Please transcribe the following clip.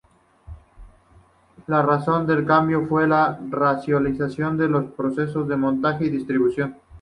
La razón del cambio fue la racionalización de los procesos de montaje y distribución.